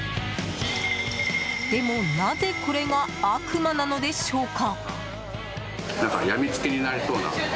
でも、なぜこれが悪魔なのでしょうか？